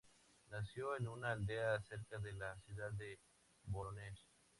Nació en una aldea cerca de la ciudad de Vorónezh.